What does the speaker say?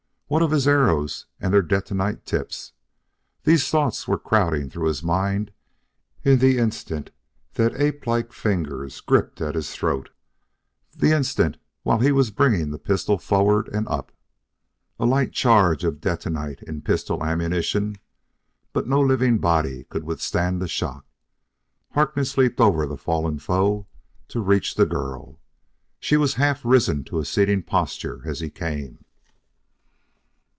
What of his arrows and their detonite tips? These thoughts were crowding through his mind in the instant that ape like fingers gripped at his throat the instant while he was bringing the pistol forward and up. A light charge of detonite in pistol ammunition but no living body could withstand the shock. Harkness leaped over the fallen foe to reach the girl. She was half risen to a sitting posture as he came.